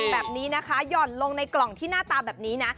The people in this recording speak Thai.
แบบนี้นะคะหย่อนลงในกล่องที่หน้าตาแบบนี้นะ